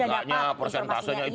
dan anggarnya persentasenya itu